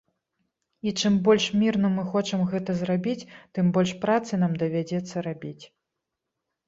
І чым больш мірна мы хочам гэта зрабіць, тым больш працы нам давядзецца рабіць.